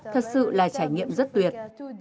thật sự là trải nghiệm rất tuyệt